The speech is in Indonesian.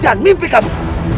jangan mimpi kamu